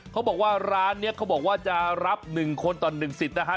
เขาบอกว่าร้านนี้เขาบอกว่าจะรับ๑คนต่อ๑สิทธิ์นะฮะ